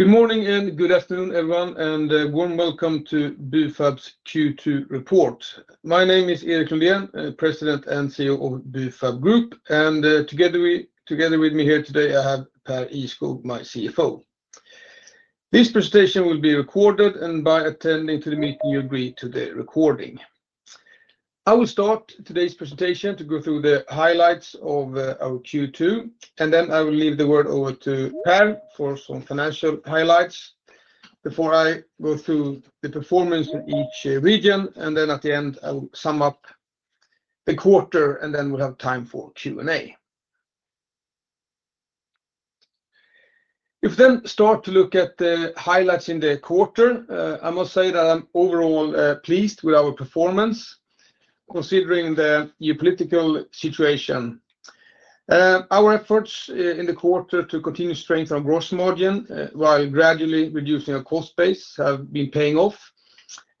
Good morning and good afternoon everyone and warm welcome to Bufab's Q2 report. My name is Erik Lundén, President and CEO of Bufab AB, and together with me here today I have Pär Ihrskog, my CFO. This presentation will be recorded and by attending the meeting you agree to the recording. I will start today's presentation to go through the highlights of our Q2 and then I will leave the word over to Pär for some financial highlights before I go through the performance in each region and then at the end I will sum up the quarter and then we'll have time for Q and A. If we then start to look at the highlights in the quarter, I must say that I'm overall pleased with our performance considering the geopolitical situation. Our efforts in the quarter to continue strengthening gross margin while gradually reducing our cost base have been paying off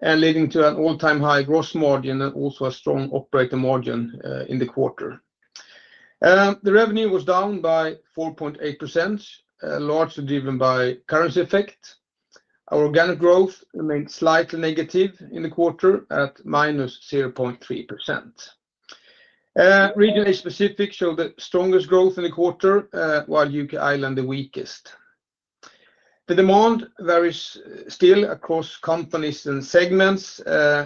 and leading to an all-time high gross margin and also a strong operating margin. In the quarter the revenue was down by 4.8% largely driven by currency effect. Our organic growth remained slightly negative in the quarter at -0.3%. Asia Pacific showed the strongest growth in the quarter while U.K. & Ireland the weakest. The demand varies still across companies and segments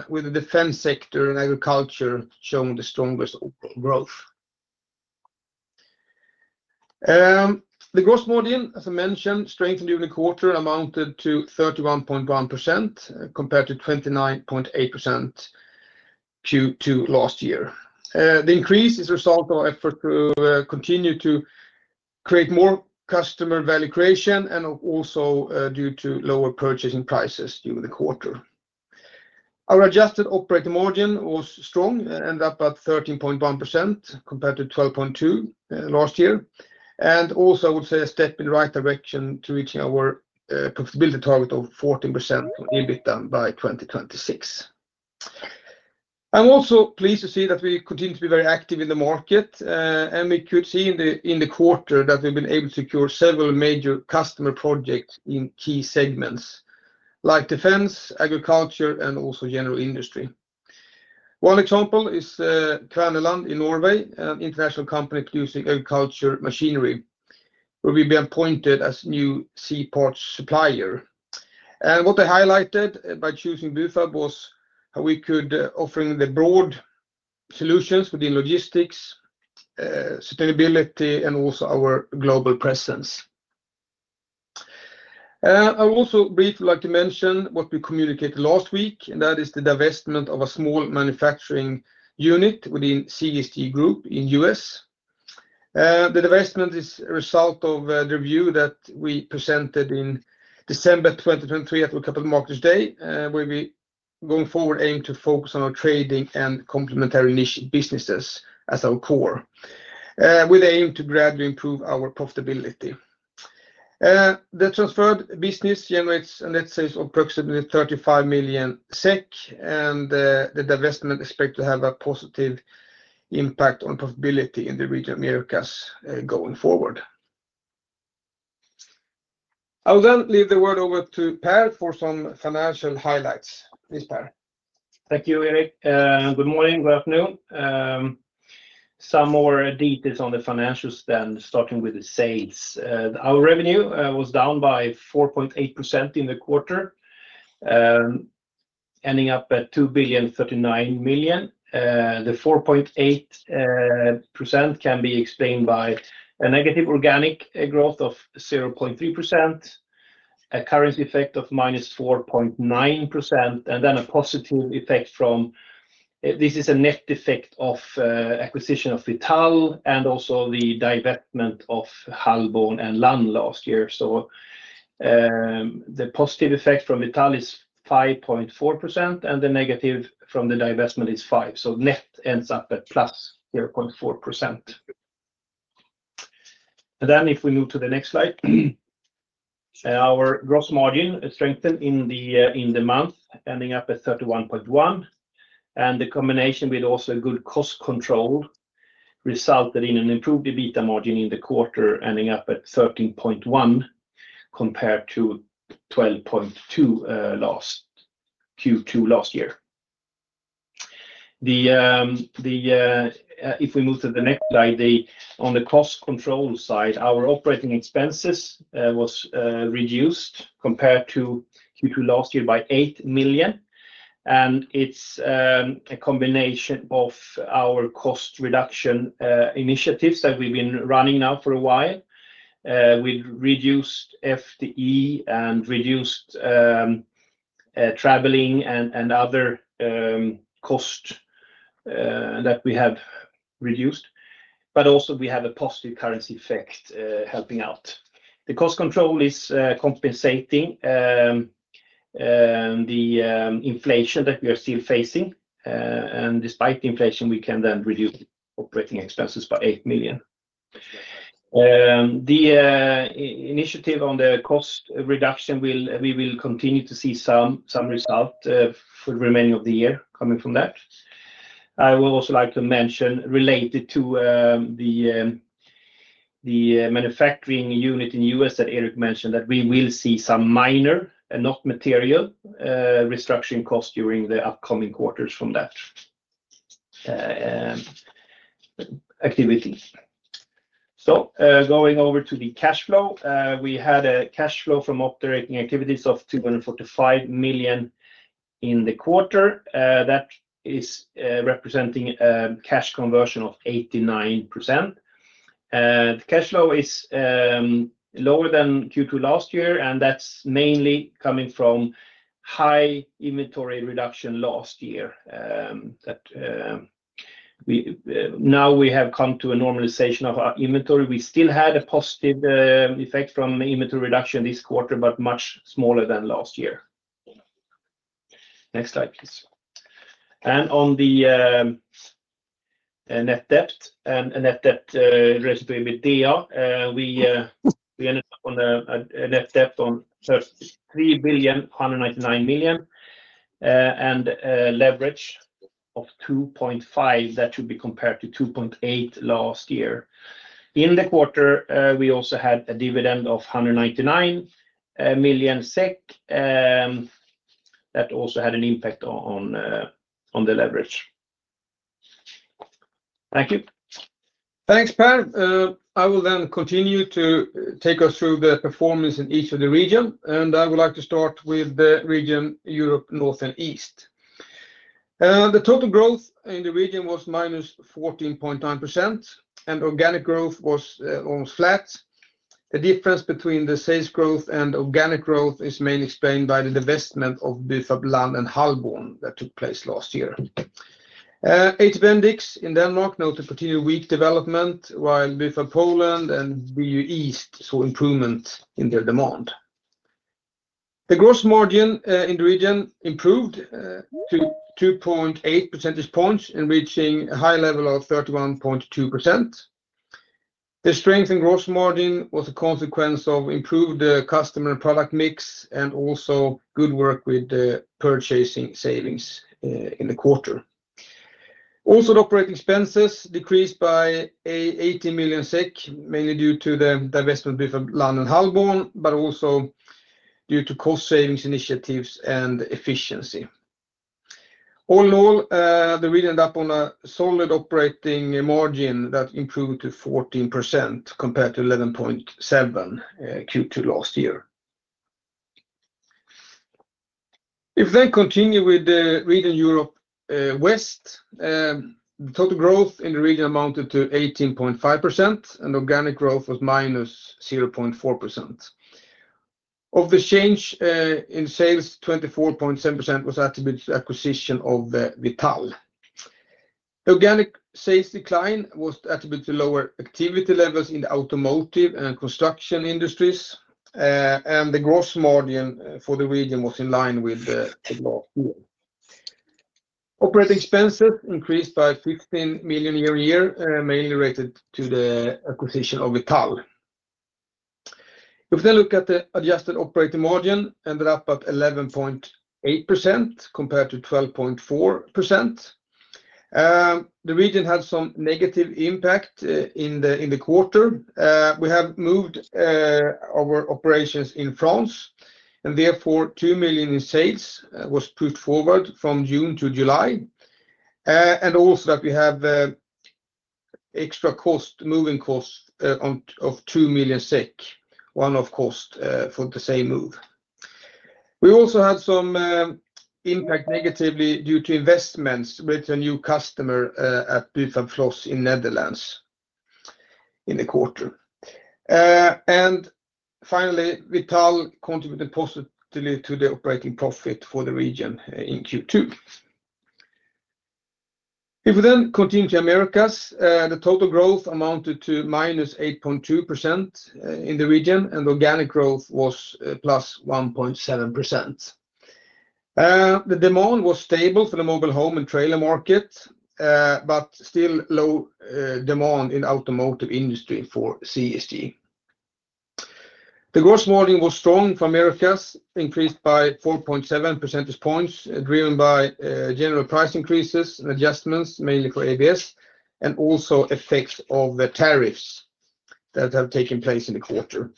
with the defense sector and agriculture showing the strongest growth. The gross margin as I mentioned strengthened during the quarter, amounted to 31.1% compared to 29.8% in Q2 last year. The increase is a result of effort to continue to create more customer value creation and also due to lower purchasing prices. During the quarter our adjusted operating margin was strong, ended up at 13.1% compared to 12.2% last year and also would say a step in the right direction to reach our profitability target of 14% EBITDA by 2026. I'm also pleased to see that we continue to be very active in the market and we could see in the quarter that we've been able to secure several major customer projects in key segments like defense, agriculture and also general industry. One example is Kverneland in Norway, an international company producing agriculture machinery where we've been appointed as new seaport supplier and what I highlighted by choosing Bufab was how we could offer the broad solutions within logistics, sustainability and also our global presence. I also briefly like to mention what we communicated last week and that is the divestment of a small manufacturing unit within CSG Group in the U.S. The divestment is a result of the review that we presented in December 2023 at Capital Markets Day. We'll be going forward aim to focus on our trading and complementary niche businesses as our core with aim to gradually improve our profitability. The transferred business generates net sales of approximately 35 million SEK and the divestment is expected to have a positive impact on profitability in the region Americas going forward. I will then leave the word over to Pär for some financial highlights. Please. Pär, thank you, Erik. Good morning. Good afternoon. Some more details on the financials, then starting with the sales. Our revenue was down by 4.8% in the quarter. Ending up at 2.039 billion. The 4.8% can be explained by a negative organic growth of 0.3%, a currency effect of -4.9%, and then a positive effect from this is a net effect of acquisition of VITAL and also the divestment of Hallborn and Lann last year. The positive effect from VITAL is 5.4% and the negative from the divestment is 5, so net ends up at +0.4%. If we move to the next slide, our gross margin strengthened in the month ending up at 31.1%, and the combination with also good cost control resulted in an improved EBITDA margin in the quarter ending up at 13.1% compared to 12.2% Q2 last year. If we move to the next slide. On the cost control side, our operating expenses were reduced compared to Q2 last year by 8 million. It's a combination of our cost reduction initiatives that we've been running now for a while. We reduced FTE and reduced traveling and other costs that we have reduced. We also have a positive currency effect. Helping out, the cost control is compensating the inflation that we are still facing. Despite inflation, we can then reduce operating expenses by 8 million. The initiative on the cost reduction, we will continue to see some result remaining of the year coming from that. I would also like to mention related to the manufacturing unit in the U.S. that Erik mentioned that we will see some minor and not material restructuring costs during the upcoming quarters from that activity. Going over to the cash flow, we had a cash flow from operating activities of 245 million in the quarter that is representing a cash conversion of 89%. The cash flow is lower than Q2 last year and that's mainly coming from high inventory reduction last year. Now we have come to a normalization of our inventory. We still had a positive effect from inventory reduction this quarter but much smaller than last year. Next slide please. On the net debt and net debt residue EBITDA, we ended up on a net debt of 3.199 billion and leverage of 2.5. That should be compared to 2.8 last year. In the quarter, we also had a dividend of 199 million SEK. That also had an impact on the leverage. Thank you. Thanks, Pär. I will then continue to take us through the performance in each of the region and I would like to start with the region Europe North & East. The total growth in the region was -14.9% and organic growth was almost flat. The difference between the sales growth and organic growth is mainly explained by the divestment of Bufab Lann and Hallborn that took place last year. At Bendix in Denmark, noted continued weak development while Bufab Poland and BU East saw improvement in their demand. The gross margin in the region improved by 2.8 percentage points and reached a high level of 31.2%. The strength in gross margin was a consequence of improved customer product mix and also good work with purchasing savings in the quarter. Also, the operating expenses decreased by 18 million SEK mainly due to the divestment with Lann and Hallborn, but also due to cost savings initiatives and efficiency. All in all, the region ended up on a solid operating margin that improved to 14% compared to 7.7% in Q2 last year. If I then continue with the region Europe West, the total growth in the region amounted to 18.5% and organic growth was -0.4%. Of the change in sales, 24.7% was attributed to the acquisition of VITAL. The organic sales decline was attributed to lower activity levels in the automotive and construction industries and the gross margin for the region was in line with last year. Operating expenses increased by 15 million year-over-yearmainly related to the acquisition of VITAL. If we look at the adjusted operating margin, it ended up at 11.8% compared to 12.4%. The region had some negative impact in the quarter. We have moved our operations in France and therefore 2 million in sales was pushed forward from June to July and also that we have extra moving costs of 2 million SEK for the same move. We also had some impact negatively due to investments with a new customer at Bufab Flos in Netherlands in the quarter and finally, VITAL contributed positively to the operating profit for the region in Q2. If we then continue to Americas, the total growth amounted to -8.2% in the region and organic growth was +1.7%. The demand was stable for the mobile home and trailer market but still low demand in the automotive industry. For CSG, the gross volume was strong for Americas, increased by 4.7 percentage points driven by general price increases and adjustments mainly for ABS and also effects of the tariffs that have taken place in the quarter.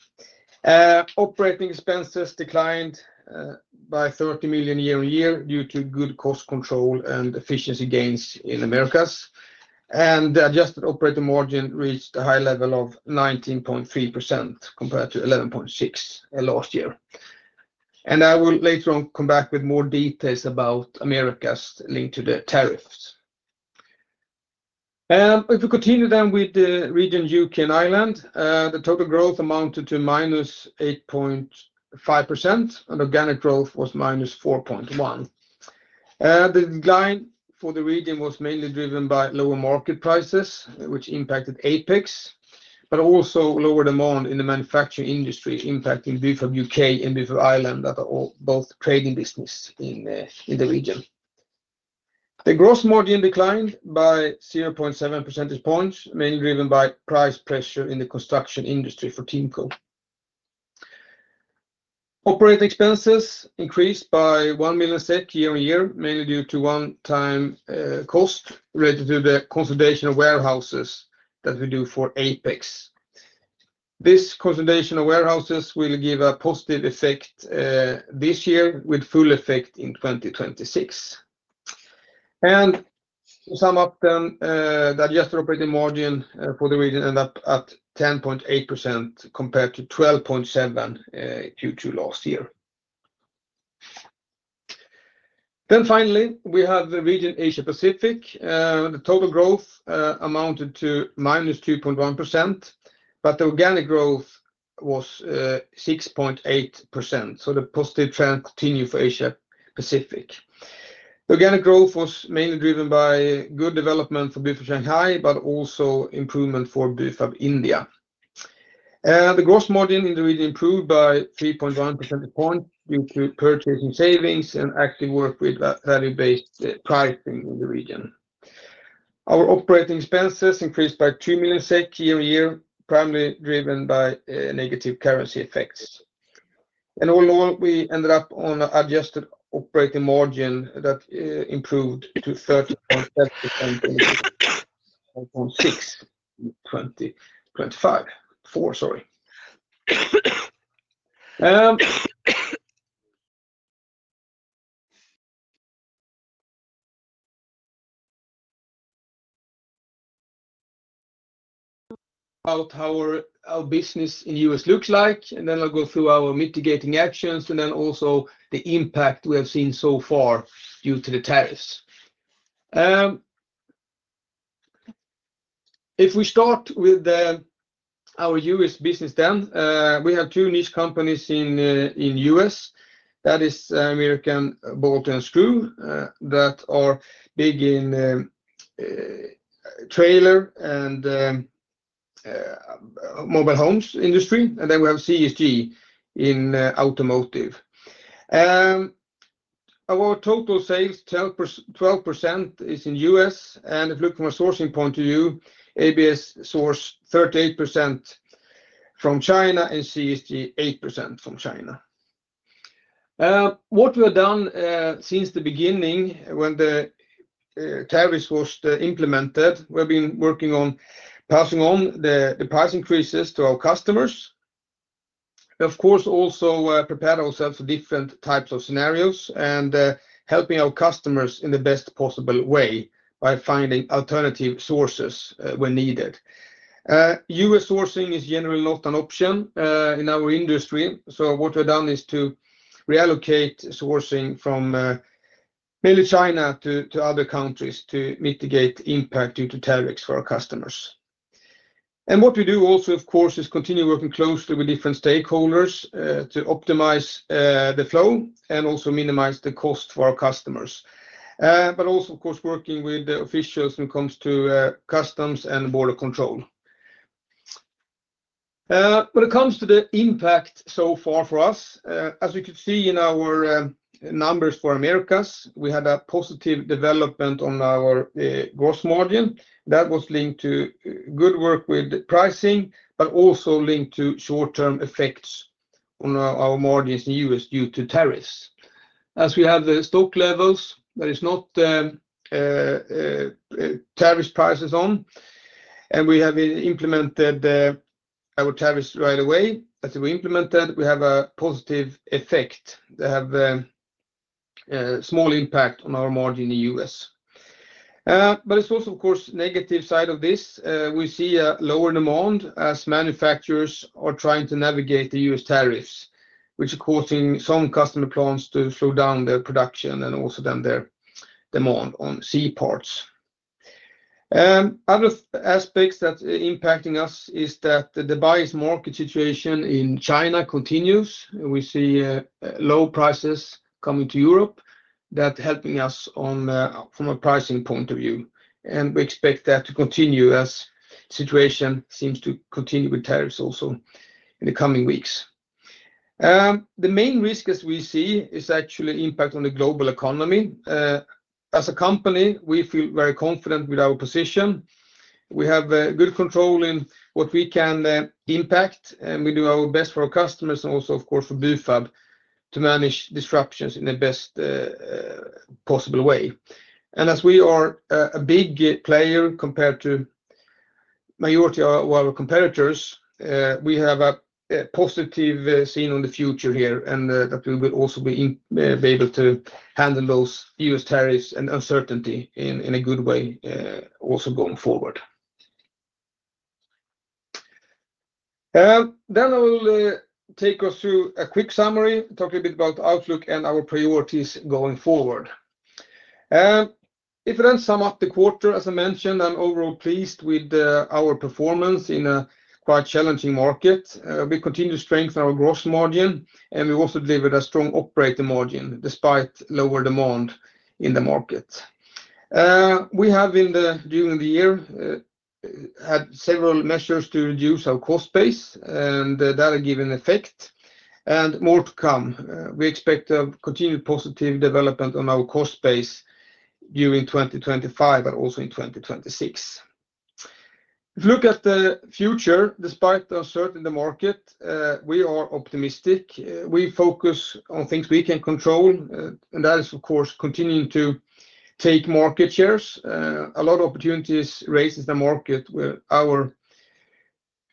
Operating expenses declined by 30 million year-on-year due to good cost control and efficiency gains in Americas, and adjusted operating margin reached a high level of 19.3% compared to 11.6% last year. I will later on come back with more details about Americas linked to the tariffs. If we continue with the region U.K. & Ireland, the total growth amounted to -8.25% and organic growth was -4.1%. The decline for the region was mainly driven by lower market prices, which impacted Apex, but also lower demand in the manufacturing industry impacting Bufab U.K. and Bufab Ireland that are both trading business in the region. The gross margin declined by 0.7 percentage points, mainly driven by price pressure in the construction industry. For TIMCO, operating expenses increased by 1 million SEK year-on-year, mainly due to one-time cost related to the consolidation of warehouses that we do for Apex. This consolidation of warehouses will give a positive effect this year with full effect in 2026. To sum up, the adjusted operating margin for the region ended up at 10.8% compared to 12.7% last year. Finally, we have the region Asia Pacific. The total growth amounted to -2.1%, but the organic growth was 6.8%, so the positive trend continues for Asia Pacific. The organic growth was mainly driven by good development for Bufab Shanghai but also improvement for Bufab India. The gross margin in the region improved by 3.1 percentage points due to purchasing savings and active work with value-based pricing in the region. Our operating expenses increased by 2 million SEK year-on-year, primarily driven by negative currency effects, and we ended up on an adjusted operating margin that improved to in 2024. About how our business in the U.S. looks like, and then I'll go through our mitigating actions and also the impact we have seen so far due to the tariffs. If we start with our U.S. business, then we have two niche companies in the U.S. that are American Bolt & Screw, that are big in trailer and mobile homes industry, and then we have CSG in Automotive. Our total sales, 12%, is in the U.S., and if you look from a sourcing point of view, ABS sources 38% from China and CSG 8% from China. What we have done since the beginning when the tariffs were implemented, we've been working on passing on the price increases to our customers. Of course, also prepare ourselves for different types of scenarios and helping our customers in the best possible way by finding alternative sources when needed. U.S. sourcing is generally not an option in our industry. What we've done is to reallocate sourcing from mainly China to other countries to mitigate impact due to tariffs for our customers. What we do also, of course, is continue working closely with different stakeholders to optimize the flow and also minimize the cost for our customers. Also, of course, working with the officials when it comes to customs and border control. When it comes to the impact so far for us, as you can see in our numbers for Americas, we had a positive development on our gross margin that was linked to good work with pricing but also linked to short-term effects on our margins in the U.S. due to tariffs, as we have the stock levels that is not tariff prices on and we have implemented our tariffs right away. As we implement that, we have a positive effect that has small impact on our margin in the U.S., but it's also, of course, negative side of this. We see a lower demand as manufacturers are trying to navigate the U.S. tariffs, which are causing some customer plants to slow down their production and also then their demand on C-parts. Other aspects that are impacting us is that the buyer's market situation in China continues. We see low prices coming to Europe that helping us on from a pricing point of view, and we expect that to continue as situation seems to continue with tariffs also in the coming weeks. The main risk as we see is actually impact on the global economy. As a company, we feel very confident with our position. We have good control in what we can impact, and we do our best for our customers and also, of course, for Bufab and to manage disruptions in the best possible way. As we are a big player compared to majority of our competitors, we have a positive scene on the future here and that we will also be able to handle those U.S. tariffs and uncertainty in a good way also going forward. I will take us through a quick summary talking a bit about outlook and our priorities going forward. If you then sum up the quarter, as I mentioned, I'm overall pleased with our performance in a quite challenging market. We continue to strengthen our gross margin, and we also delivered a strong operating margin despite lower demand in the market. We have during the year had several measures to reduce our cost base, and that will give an effect and more to come. We expect a continued positive development on our cost base during 2025 but also in 2026. If you look at the future, despite the uncertainty in the market, we are optimistic. We focus on things we can control, and that is of course continuing to take market shares. A lot of opportunities raises the market where our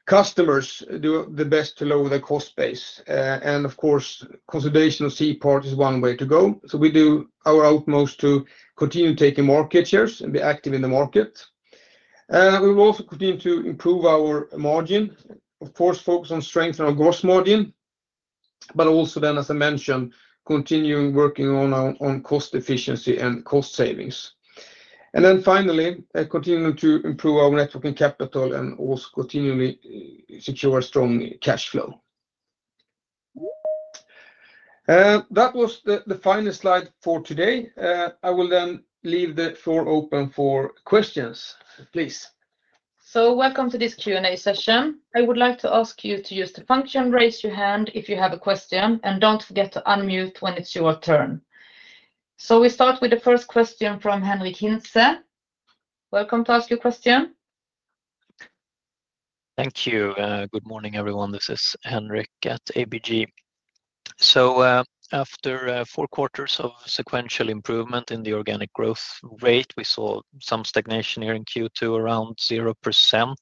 customers do the best to lower their cost base, and of course consolidation of C-parts is one way to go. We do our utmost to continue taking market shares and be active in the market. We will also continue to improve our margin, of course focus on strength, on gross margin, but also then as I mentioned, continuing working on cost efficiency and cost savings, and then finally continuing to improve our working capital and also continually secure strong cash flow. That was the final slide for today. I will then leave the floor open for questions, please. Welcome to this Q and A session. I would like to ask you to use the function. Raise your hand if you have a question, and don't forget to unmute when it's your turn. We start with the first question from Henric Hintze. Welcome to ask your question. Thank you. Good morning everyone. This is Henric at ABG. After four quarters of sequential improvement in the organic growth rate, we saw some stagnation here in Q2 around 0%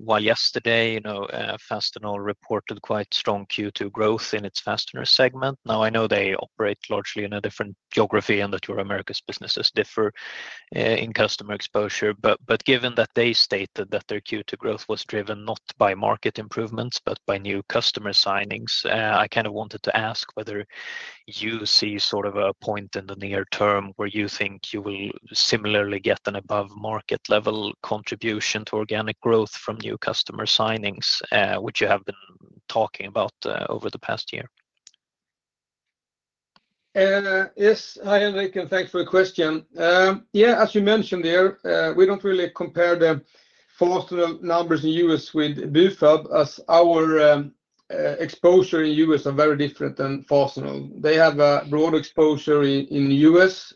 while yesterday, you know, Fastenal reported quite strong Q2 growth in its fastener segment. I know they operate largely in a different geography and that your Americas businesses differ in customer exposure. Given that they stated that their Q2 growth was driven not by market improvements but by new customer signings, I wanted to ask whether you see a point in the near term where you think you will similarly get an above market level contribution to organic growth from new customer signings which you have been talking about over the past year. Yes. Hi Henric and thanks for the question. Yeah, as you mentioned there, we don't really compare the Fastenal numbers in the U.S. with Bufab as our exposure in the U.S. is very different than Fastenal. They have a broad exposure in the U.S.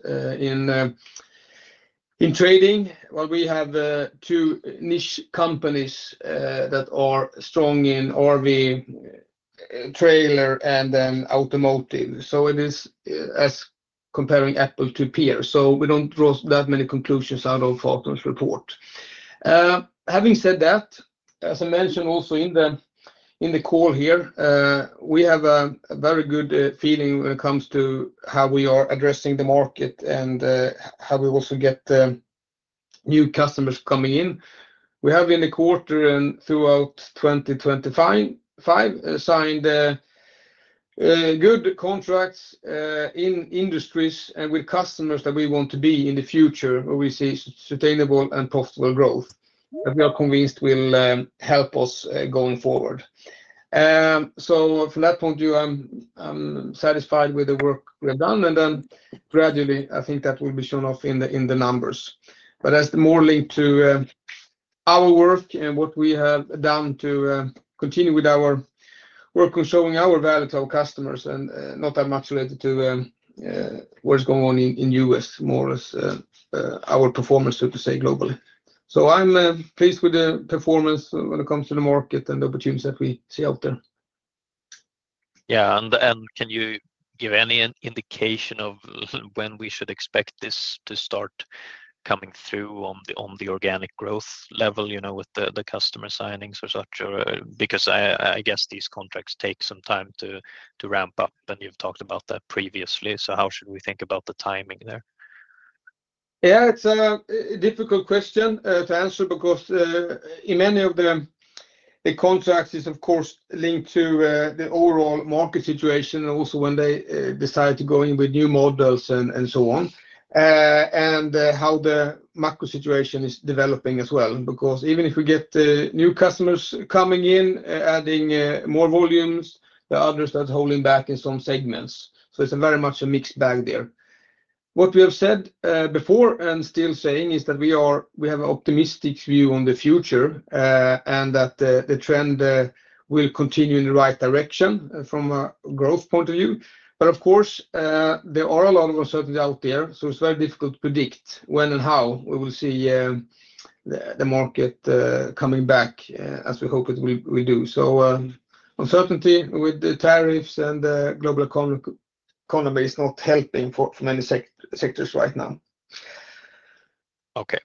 in trading while we have two niche companies that are strong in RV, trailer, and then automotive. It is as comparing apple to pear so we don't draw that many conclusions out of Fastenal's report. Having said that, as I mentioned also in the call here, we have a very good feeling when it comes to how we are addressing the market and how we also get new customers coming in. We have in the quarter and throughout 2025 signed good contracts in industries and with customers that we want to be in the future where we see sustainable and profitable growth that we are convinced will help us going forward. From that point, I'm satisfied with the work we have done and gradually I think that will be shown off in the numbers. That's more linked to our work and what we have done to continue with our work on showing our value to our customers and not that much related to what's going on in the U.S., more or less our performance, so to say, globally. I'm pleased with the performance when it comes to the market and the opportunities that we see out there. Can you give any indication of when we should expect this to start coming through on the organic growth level, with the customer signings or such? I guess these contracts take some time to ramp up and you've talked about that previously. How should we think about the timing there? Yeah, it's a difficult question to answer because in many of them the contracts are of course linked to the overall market situation and also when they decide to go in with new models and so on and how the macro situation is developing as well, because even if we get new customers coming in, adding more volumes, there are others that are holding back in some segments. It's very much a mixed bag there. What we have said before and still saying is that we have an optimistic view on the future and that the trend will continue in the right direction from a growth point of view. There are a lot of uncertainties out there. It's very difficult to predict when and how we will see the market coming back as we hope it will do. Uncertainty with the tariffs and the global economy is not helping for many sectors right now. Okay,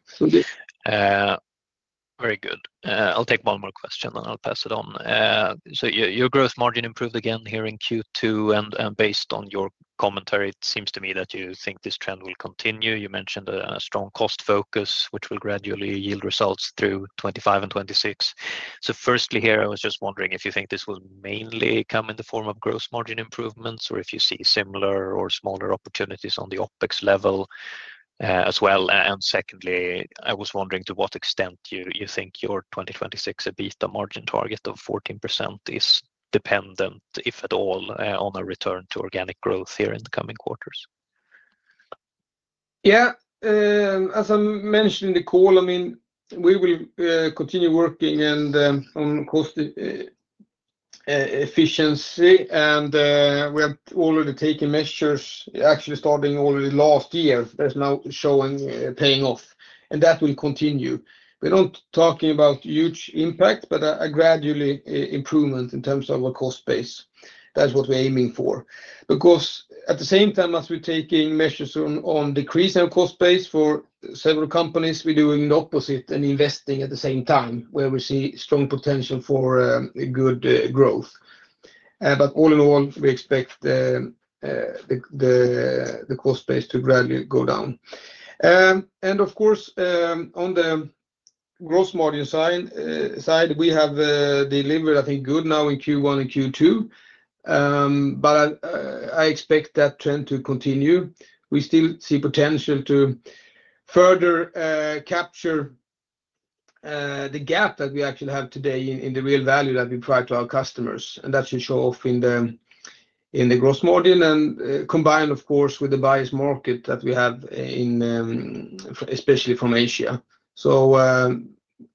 very good. I'll take one more question and I'll pass it on. Your gross margin improved again here in Q2, and based on your commentary, it seems to me that you think this trend will continue. You mentioned a strong cost focus, which will gradually yield results through 2025 and 2026. Firstly, I was just wondering if you think this will mainly come in the form of gross margin improvements or if you see similar or smaller opportunities on the OpEx level as well. Secondly, I was wondering to what extent you think your 2026 EBITDA margin target of 14% is dependent, if at all, on a return to organic growth here in the coming quarters. Yeah, as I mentioned in the call, I mean we will continue working on cost efficiency and we have already taken measures actually starting already last year, that's now showing paying off and that will continue. We're not talking about huge impact, but a gradual improvement in terms of our cost base, that's what we're aiming for because at the same time as we're taking measures on decreasing cost base for several companies, we're doing the opposite and investing at the same time where we see strong potential for good growth. All in all, we expect. The cost base to gradually go down. Of course, on the gross margin side we have delivered, I think, good now in Q1 and Q2, but I expect that trend to continue. We still see potential to further capture the gap that we actually have today in the real value that we provide to our customers. That should show off in the gross margin, combined, of course, with the buyer’s market that we have, especially from Asia.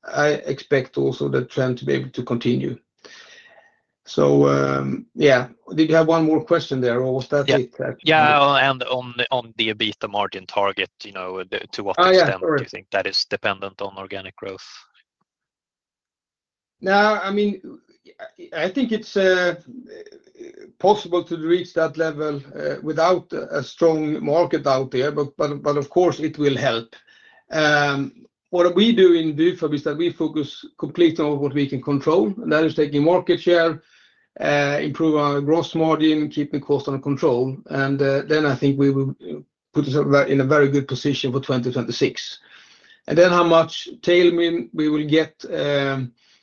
I expect also the trend to be able to continue. Did you have one more question there or was that it? Yeah. On the EBITDA margin target, you know, to what extent do you think that is dependent on organic growth? No, I mean I think it's possible to reach that level without a strong market out there. Of course, it will help. What we do in Bufab is that we focus completely on what we can control and that is taking market share, improving our gross margin, keeping cost under control, and then I think we will be in a very good position for 2026. How much tailwind we will get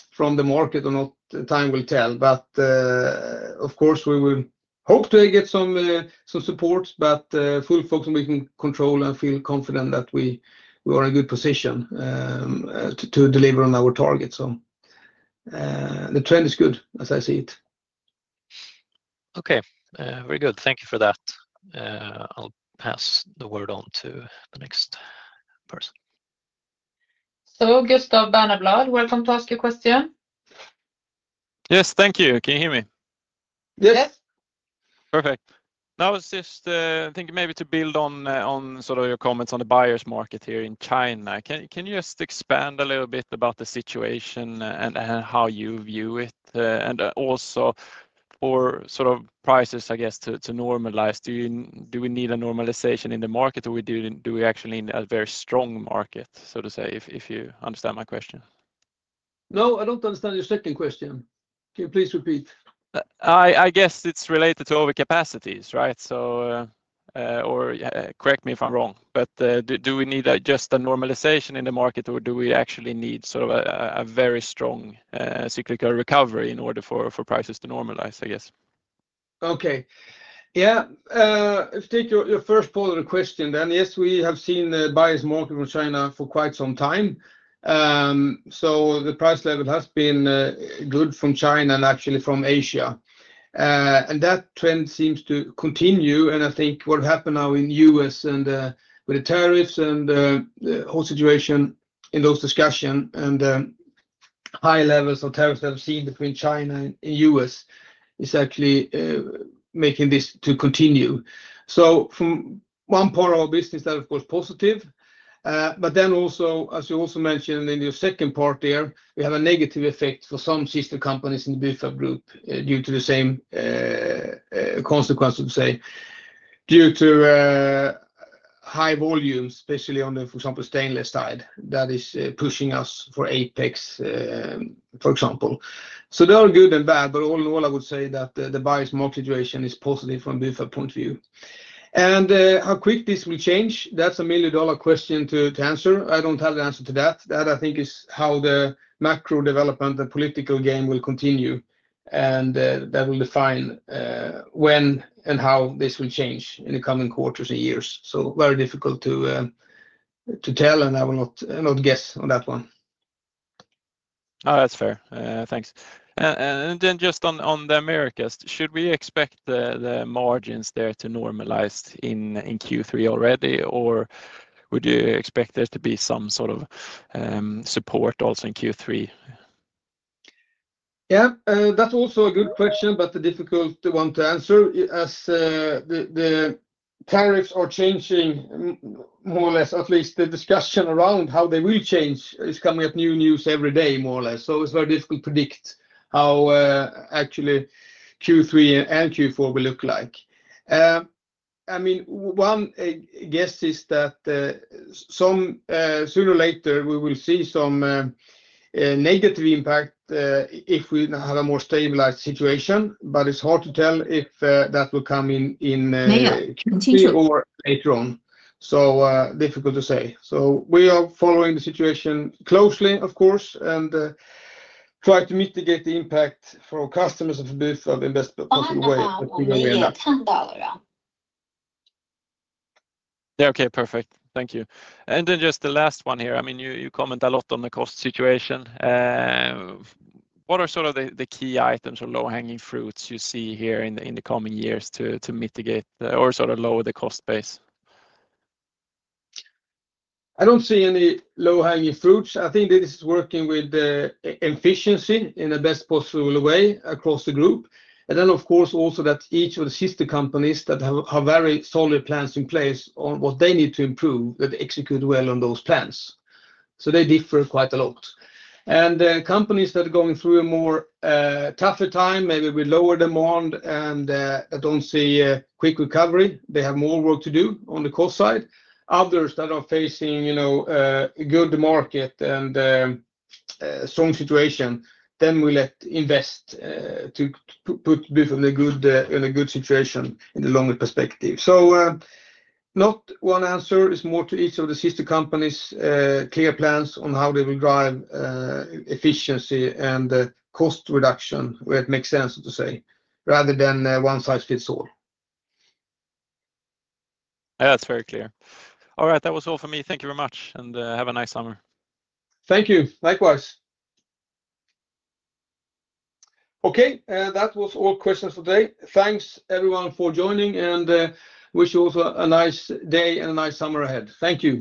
from the market or not, time will tell, but of course we will hope to get some support. Full focus on making control and feel confident that we are in a good position to deliver on our target. The trend is good as I see it. Okay, very good, thank you for that. I'll pass the word on to the next person. Gustav Berneblad, welcome to ask your question. Yes, thank you. Can you hear me? Yes. Perfect. I was just thinking maybe to build on your comments on the buyer's market here in China. Can you explain, expand a little bit about the situation and how you view it, and also for prices, I guess to normalize, do we need a normalization in the market or do we actually need a very strong market, if you understand my question. No, I don't understand your second question. Can you please repeat? I guess it's related to overcapacities, right? Correct me if I'm wrong, but do we need just a normalization in the market or do we actually need sort of a very strong cyclical recovery in order for prices to normalize? Okay, yeah. If you take your first polar question, then yes, we have seen the buyer's market in China for quite some time. The price level has been good from China and actually from Asia, and that trend seems to continue. I think what happened now in the U.S. and with the tariffs and the whole situation in those discussions and high levels of tariffs that have been seen between China and the U.S. is actually making this continue. From one part of our business, that is of course positive. As you also mentioned in your second part there, we have a negative effect for some sister companies in the Bufab Group due to the same consequences, due to high volumes, especially on, for example, the stainless side that is pushing us for OpEx, for example. They are good and bad. All in all, I would say that the buyer's market situation is positive from Bufab's point of view. How quick this will change, that's a million dollar question to answer. I don't have the answer to that. I think it is how the macro development, the political game will continue, and that will define when and how this will change in the coming quarters and years. It is very difficult to tell and I will not guess on that one. That's fair, thanks. Just on the Americas, should we expect the margins there to normalize in Q3 already, or would you expect there to be some sort of support also in Q3? Yeah, that's also a good question, but a difficult one to answer as the tariffs are changing more or less. At least the discussion around how they will change is coming up. New news every day, more or less. It's very difficult to predict how actually Q3 and Q4 will look like. I mean one guess is that sooner or later we will see some negative impact if we have a more stabilized situation. It's hard to tell if that will come in later on. It's difficult to say. We are following the situation closely of course and try to mitigate the impact for customers of investment. Okay, perfect. Thank you. Just the last one here, you comment a lot on the cost situation. What are the key items or low hanging fruits you see here in the coming years to mitigate or lower the cost base? I don't see any low hanging fruits. I think this is working with the efficiency in the best possible way across the group. Of course, also that each of the sister companies have very solid plans in place on what they need to improve that execute well on those plans, so they differ quite a lot. Companies that are going through a more tougher time, maybe with lower demand and don't see a quick recovery, have more work to do on the cost side. Others that are facing, you know, good market and strong situation, we let invest to put in a good situation in the longer perspective. Not one answer is more to each of the sister companies clear plans on how they will drive efficiency and cost reduction where it makes sense to say rather than one size fits all. Yeah, that's very clear. All right, that was all for me. Thank you very much, and have a nice summer. Thank you. Likewise. Okay, that was all questions today. Thanks everyone for joining and wish you also a nice day and a nice summer ahead. Thank you.